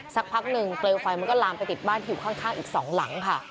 สักพักหนึ่งเปลวไฟมันก็ลามไปติดบ้านที่อยู่ข้างอีก๒หลังค่ะ